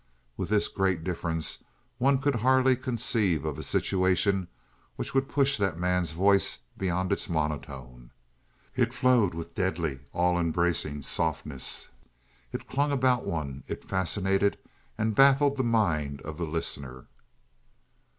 With this great difference, one could hardly conceive of a situation which would push that man's voice beyond its monotone. It flowed with deadly, all embracing softness. It clung about one; it fascinated and baffled the mind of the listener.